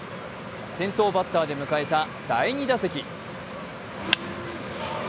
先頭バッターで迎えた第２打席。